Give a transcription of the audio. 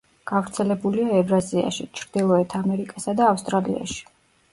გავრცელებულია ევრაზიაში, ჩრდილოეთ ამერიკასა და ავსტრალიაში.